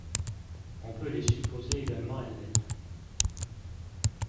On peut les supposer également Helvètes.